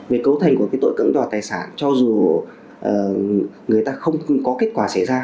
về cấu thành của cái tội cưỡng đoạt tài sản cho dù người ta không có kết quả xảy ra